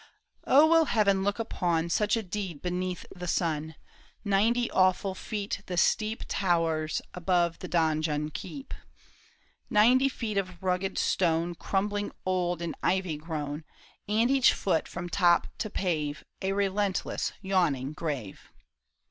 •^^ 'k O will heaven look upon Such a deed beneath the sun ! Ninety awful feet the steep Towers above the donjon keep ; Ninety feet of rugged stone, Crumbling, old, and ivy grown — 25 26 THE TOWER OF BO UV ERIE, And each foot from top to pave, A relentless, yawning grave